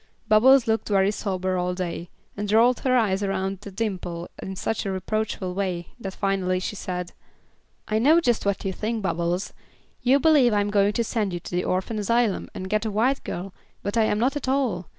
Bubbles looked very sober all day, and rolled her eyes around at Dimple in such a reproachful way that finally she said: "I know just what you think, Bubbles. You believe I am going to send you to the orphan asylum and get a white girl, but I am not at all.